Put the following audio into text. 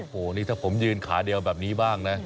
โอ้โหนี่ถ้าผมยืนขาเดียวแบบนี้บ้างนะ